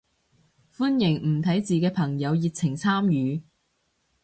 歡迎唔睇字嘅朋友熱情參與